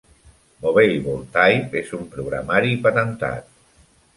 Movable Type és un programari patentat.